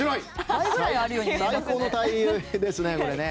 最高の対比ですね。